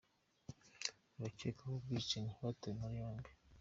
Abakekwaho ubwicanyi batawe muri yombi